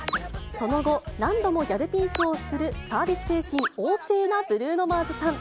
その後、何度もギャルピースをする、サービス精神旺盛なブルーノ・マーズさん。